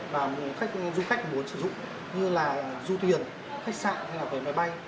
và một khách du khách muốn sử dụng như là du thuyền khách sạn hay là cái máy bay